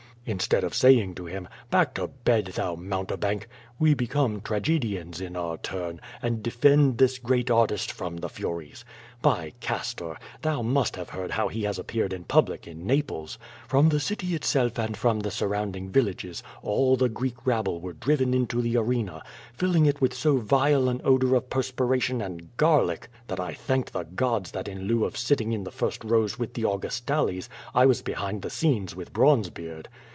Instead of saying to him, "back to bed, thou mountebank!*' we become tragedians in our turn, and defend this great artist from the furies. By Castor! Thou must have heard how he has appeared in public in Naples. From the city itself and from the surrounding villages all the Greek rabble were driven into the arena, filling it with so vile an odor of perspi ration and garlic that I thanked the gods that in lieu of sit ting in the first rows with the Augustales, I was behind tlie scenes with Bronzebeard.